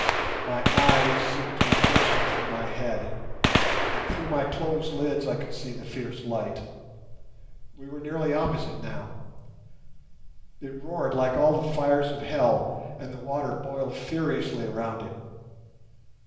My eyes seemed to be bursting from my head, and through my closed lids I could see the fierce light. We were nearly opposite now; it roared like all the fires of hell, and the water boiled furiously around it.